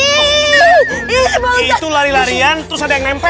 itu lari larian terus ada yang nempel